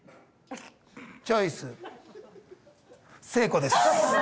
チョイス成功です！